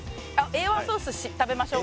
Ａ１ソース食べましょう